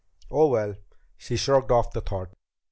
Oh, well ! She shrugged off the thought.